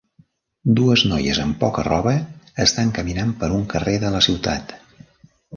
Dues noies amb poca roba estan caminant per un carrer de la ciutat.